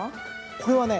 これはね